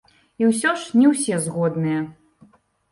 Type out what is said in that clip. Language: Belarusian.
І ўсё ж не ўсе згодныя!